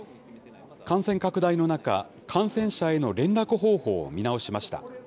感染拡大の中、感染者への連絡方法を見直しました。